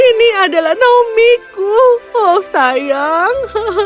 ini adalah naomi ku oh sayang